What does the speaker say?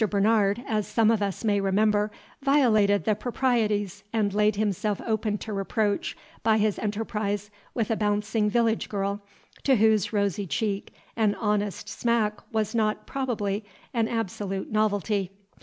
Bernard, as some of us may remember, violated the proprieties and laid himself open to reproach by his enterprise with a bouncing village girl, to whose rosy cheek an honest smack was not probably an absolute novelty.